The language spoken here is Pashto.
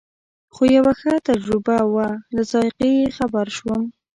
خو یوه ښه تجربه وه له ذایقې یې خبر شوم.